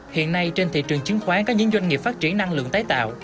hiện nay trên thị trường chứng khoán có những doanh nghiệp phát triển năng lượng tái tạo